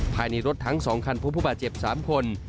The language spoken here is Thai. ภายในรถทั้ง๒คันพบผู้บาดเจ็บ๓คน